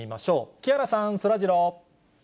木原さん、そらジロー。